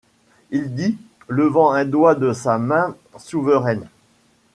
Il dit, levant un doigt de sa main souveraine :